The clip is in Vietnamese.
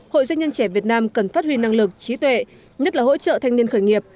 hội doanh nhân trẻ việt nam cần phát huy năng lực trí tuệ nhất là hỗ trợ thanh niên khởi nghiệp